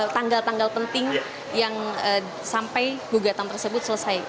tanggal tanggal penting yang sampai gugatan tersebut selesai